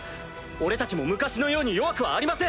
俺たちも昔のように弱くはありません！